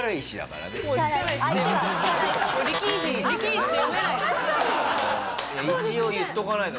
一応言っておかないと。